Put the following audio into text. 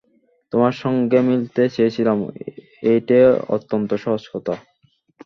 তোমার সঙ্গে মিলতে চেয়েছিলুম এইটে অত্যন্ত সহজ কথা।